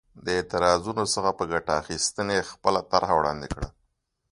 د اعتراضونو څخه په ګټې اخیستنې خپله طرحه وړاندې کړه.